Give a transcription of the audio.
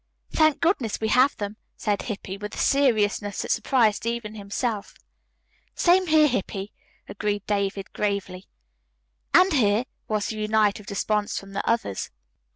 "Thank goodness we have them," said Hippy with a seriousness that surprised even himself. "Same here, Hippy," agreed David gravely. "And here," was the united response from the others.